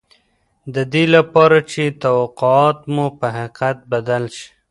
د دې لپاره چې توقعات مو په حقيقت بدل شي.